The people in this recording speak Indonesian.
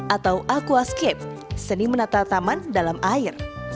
atau aquascape seni menata taman dalam air